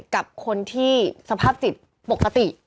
กับคนที่สภาพจิตปกติ